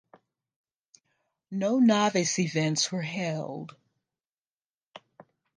No novice events were held.